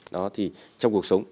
đó thì trong cuộc sống